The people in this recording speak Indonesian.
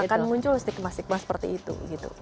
akan muncul stigma stigma seperti itu